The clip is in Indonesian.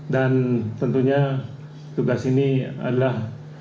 dan tentunya tugas ini adalah